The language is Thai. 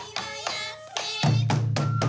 สวัสดีครับ